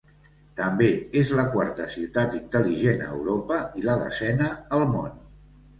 També és la quarta ciutat intel·ligent a Europa i la desena al món.